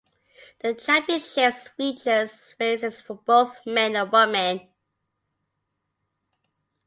The championships features races for both men and women.